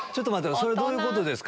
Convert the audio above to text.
それどういうことですか？